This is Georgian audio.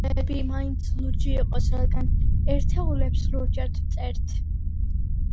მოდი, ერთეულები მაინც ლურჯი იყოს, რადგან ერთეულებს ლურჯად ვწერთ.